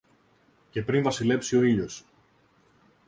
και πριν βασιλέψει ο ήλιος